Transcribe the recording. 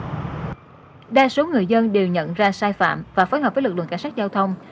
nhiều trường hợp xuống xe giác bộ nhận ra sai phạm và phối hợp với lực lượng cảnh sát giao thông